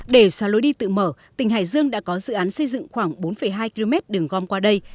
để xóa lối đi tự mở tỉnh hải dương đã có dự án xây dựng khoảng bốn hai km đường gom qua đây